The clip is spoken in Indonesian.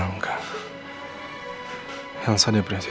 untuk apa lu gak stubbornpektih